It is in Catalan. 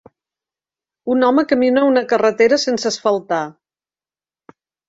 Un home camina a una carretera sense asfaltar.